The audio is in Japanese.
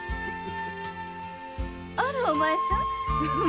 あらおまえさん